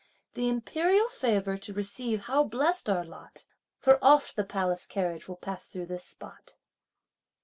The imperial favour to receive how blessed our lot! For oft the palace carriage will pass through this spot.